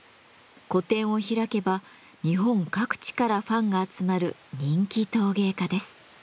個展を開けば日本各地からファンが集まる人気陶芸家です。